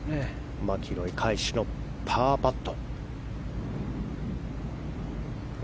マキロイ返しのパーパット。